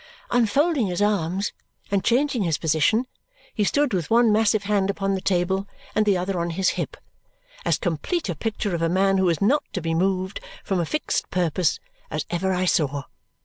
Unfolding his arms and changing his position, he stood with one massive hand upon the table and the other on his hip, as complete a picture of a man who was not to be moved from a fixed purpose as ever I saw.